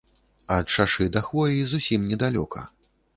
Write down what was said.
Ад шашы да хвоі зусім недалёка.